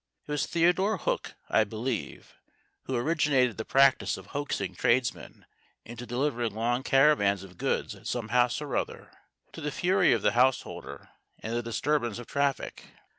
It was Theodore Hook, I believe, who originated the practice of hoaxing tradesmen into delivering long caravans of goods at some house or other, to the fury of the householder and the disturbance of traffic.